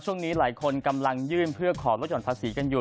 ช่วงนี้หลายคนกำลังยื่นเพื่อขอลดหย่อนภาษีกันอยู่